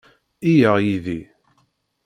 Yyaɣ yid-i.